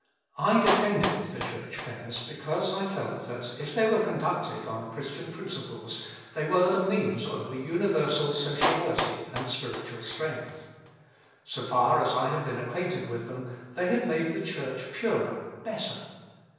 I defended the Church fairs, because I felt that if they were conducted on Christian principles they were the means of an universal sociality and spiritual strength. So far as I had been acquainted with them, they had made the Church purer, better.